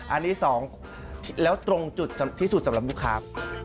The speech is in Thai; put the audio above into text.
อันนี้สองแล้วตรงจุดที่สุดสำหรับมิครับ